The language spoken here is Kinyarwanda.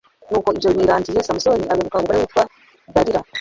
nuko ibyo birangiye, samusoni abenguka umugore witwa dalila